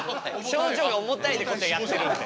症状が重たいってことやってるんで。